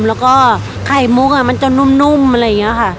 แล้วก็ไข่มุกมันจะนุ่มอะไรอย่างนี้ค่ะ